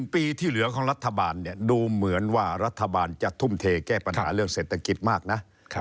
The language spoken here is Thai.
๑ปีที่เหลือของรัฐบาลดูเหมือนว่ารัฐบาลจะทุ่มเทแก้ปัญหาเรื่องเศรษฐกิจมากนะ